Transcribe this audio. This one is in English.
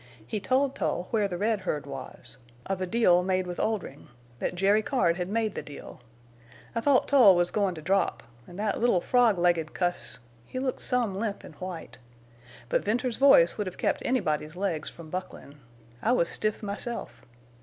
He told Tull where the red herd was, of a deal made with Oldrin', that Jerry Card had made the deal. I thought Tull was goin' to drop, an' that little frog legged cuss, he looked some limp an' white. But Venters's voice would have kept anybody's legs from bucklin'. I was stiff myself.